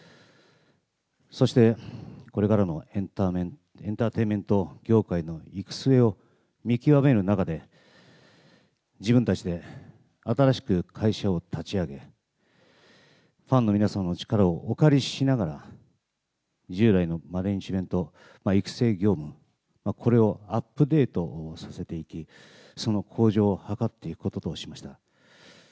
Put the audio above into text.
そしてこれからのエンターテインメント業界の行く末を見極める中で、自分たちで新しく会社を立ち上げ、ファンの皆様の力をお借りしながら、従来のマネジメント、育成業務、これをアップデートさせていき、その向上を図っていくこととしました。